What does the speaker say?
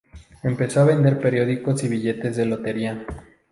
Empezó a vender periódicos y billetes de lotería.